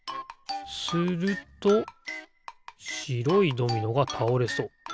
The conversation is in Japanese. するとしろいドミノがたおれそう。